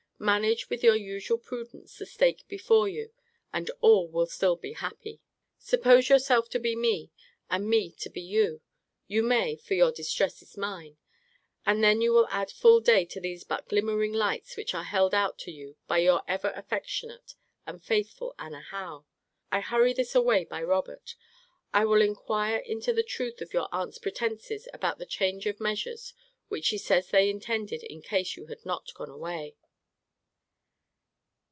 Manage with your usual prudence the stake before you, and all will still be happy. Suppose yourself to be me, and me to be you, [you may for your distress is mine,] and then you will add full day to these but glimmering lights which are held out to you by Your ever affectionate and faithful ANNA HOWE. I hurry this away by Robert. I will inquire into the truth of your aunt's pretences about the change of measures which she says they intended in case you had not gone away.